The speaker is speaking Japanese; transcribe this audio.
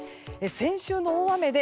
先週の大雨で